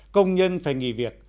công nhân phải nghỉ việc